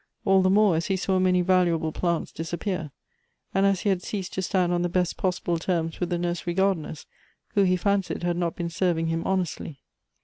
All the more, .is he saw many valuable plants disappear; and as he had ceased to stand on the best possible terms with the nursery gardeners, who he fancied had not been serving him honestly.